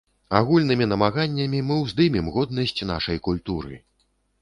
Агульнымі намаганнямі мы ўздымем годнасць нашай культуры!